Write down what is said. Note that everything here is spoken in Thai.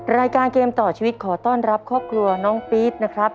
รายการเกมต่อชีวิตขอต้อนรับครอบครัวน้องปี๊ดนะครับ